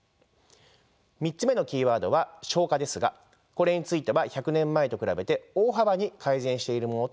３つ目のキーワードは消火ですがこれについては１００年前と比べて大幅に改善しているものと考えられます。